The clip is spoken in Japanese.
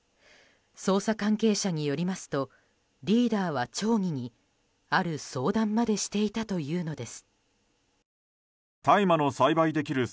捜査関係者によりますとリーダーは町議にある相談までしていたというのです。